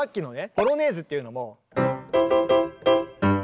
「ポロネーズ」っていうのも。